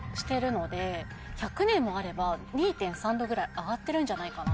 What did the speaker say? １００年もあれば２．３℃ぐらい上がってるんじゃないかなって。